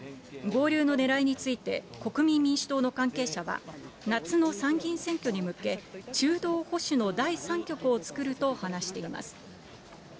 合流のねらいについて、国民民主党の関係者は、夏の参議院選挙に向け、中道保守の第３極を作ると話しています。